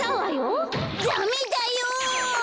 ダメだよ！